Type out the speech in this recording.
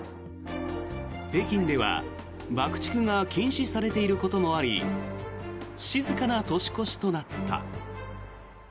北京では爆竹が禁止されていることもあり静かな年越しとなった。